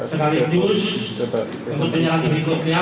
sekaligus untuk penyelenggaraan berikutnya